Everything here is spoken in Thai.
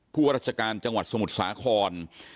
ว่าราชการจังหวัดสมุทรสาคร